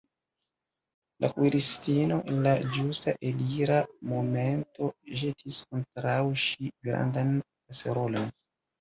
La kuiristino en la ĝusta elira momento ĵetis kontraŭ ŝi grandan kaserolon.